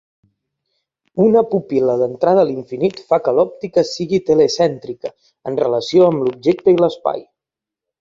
Una pupil·la d'entrada a l'infinit fa que l'òptica sigui telecèntrica en relació amb l'objecte i l'espai.